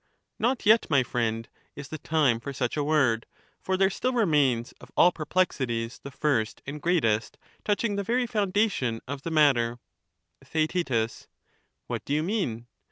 Not yet, my friend, is the time for such a word ; for there still remains of all perplexities the first and greatest, touching the very foundation of the matter, Theaet. What do you mean